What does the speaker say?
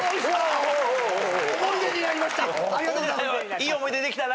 いい思い出できたな。